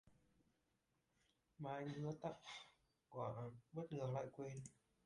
Mà anh hứa tặng bất ngờ lại quên